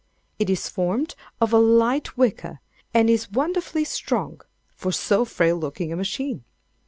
It is formed of a light wicker, and is wonderfully strong, for so frail looking a machine.